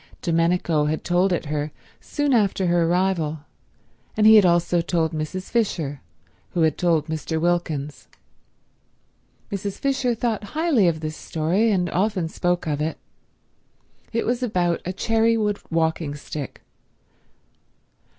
Domenico had told it her soon after her arrival, and he had also told Mrs. Fisher, who had told Mr. Wilkins. Mrs. Fisher thought highly of this story, and often spoke of it. It was about a cherrywood walking stick.